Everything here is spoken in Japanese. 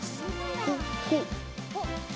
ほっほい！